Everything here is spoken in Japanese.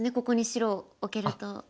ここに白置けると。